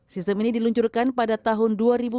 sistem ini diluncurkan pada tahun dua ribu lima belas